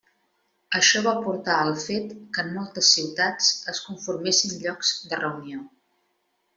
Això va portar al fet que en moltes ciutats es conformessin llocs de reunió.